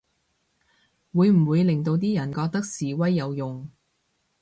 會唔會令到啲人覺得示威有用